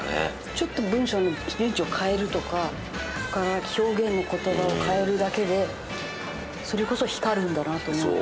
ちょっと文章の位置を変えるとか表現の言葉を変えるだけでそれこそ光るんだなと思うと。